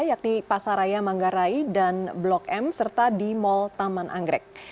yakni pasaraya manggarai dan blok m serta di mall taman anggrek